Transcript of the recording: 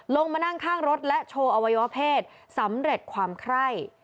ลงมานั่งข้างรถและโชว์อวัยวะเพศสำเร็จความไคร่